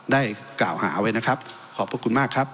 ได้กล่าวหาไว้นะครับขอบพระคุณมากครับ